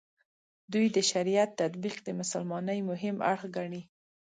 دوی د شریعت تطبیق د مسلمانۍ مهم اړخ ګڼي.